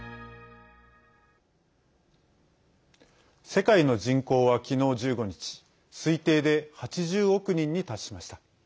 世界の人口は昨日１５日推定で８０億人に達しました。